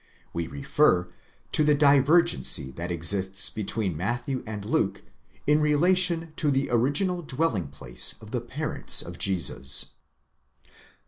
We refer to the diver gency that exists between Matthew and Luke, in relation to the original dwelling place of the parents of Jesus.